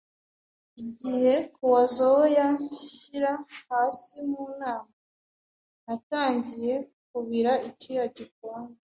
Igihe Kawazoe yanshyira hasi mu nama, natangiye kubira icyuya gikonje.